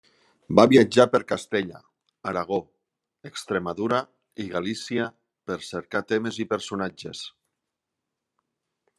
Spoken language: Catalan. Va viatjar per Castella, Aragó, Extremadura i Galícia per cercar temes i personatges.